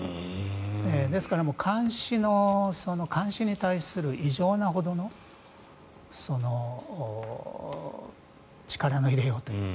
ですから、監視に対する異常なほどの力の入れようというか。